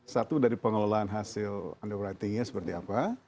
satu dari pengelolaan hasil underwritingnya seperti apa